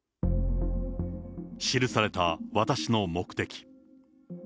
記された私の目的。